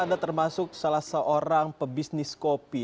anda termasuk salah seorang pebisnis kopi